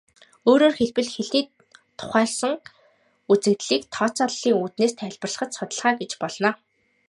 Өөрөөр хэлбэл, хэлний тухайлсан үзэгдлийг тооцооллын үүднээс тайлбарлах судалгаа гэж болно.